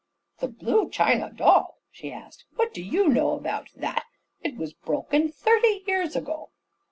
"The blue china dog?" she asked. "What do you know about that? It was broken thirty years ago."